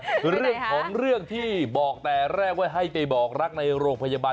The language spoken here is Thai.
คือเรื่องของเรื่องที่บอกแต่แรกว่าให้ไปบอกรักในโรงพยาบาล